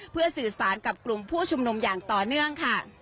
เพื่อสื่อสารกับกลุ่มผู้ชุมนุมอย่างต่อเนื่องค่ะ